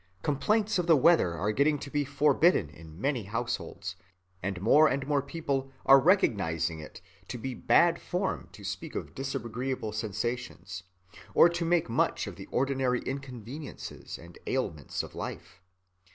Complaints of the weather are getting to be forbidden in many households; and more and more people are recognizing it to be bad form to speak of disagreeable sensations, or to make much of the ordinary inconveniences and ailments of life.